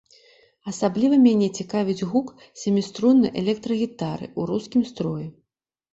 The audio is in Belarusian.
Асабліва мяне цікавіць гук сяміструннай электрагітары ў рускім строі.